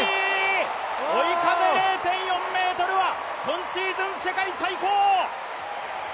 追い風０．４メートル、今シーズン世界最高！